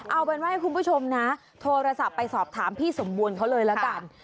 เอาเป็นว่าให้คุณผู้ชมนะโทรศัพท์ไปสอบถามพี่สมบูรณ์เขาเลยละกัน